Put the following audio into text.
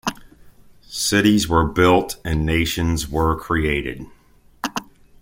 Cities were built and nations were created.